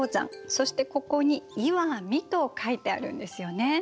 そしてここに「Ｈｉｖａｍｉ」と書いてあるんですよね。